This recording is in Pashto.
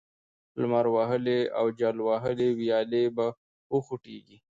لمر وهلې او جل وهلې ويالې به وخوټېږي،